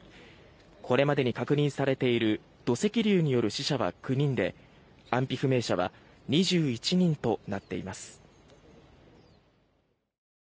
これまでに確認されている土石流による死者は９人で安否不明者は２１人となっています。